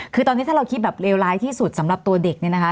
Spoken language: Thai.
คือตอนนี้ถ้าเราคิดแบบเลวร้ายที่สุดสำหรับตัวเด็กเนี่ยนะคะ